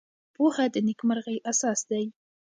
پوهه د نېکمرغۍ اساس دی.